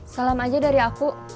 salam aja dari aku